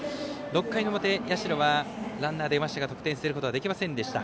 ６回の表、社はランナー出ましたが得点することはできませんでした。